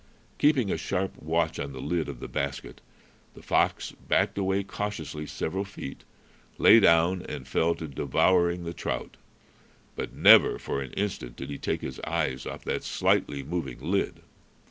Keeping a sharp watch on the lid of the basket, the fox backed away cautiously several feet, lay down, and fell to devouring the trout. But never for an instant did he take his eyes off that slightly moving lid.